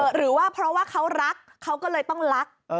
หรือว่าเพราะว่าเขารักเขาก็เลยต้องรัก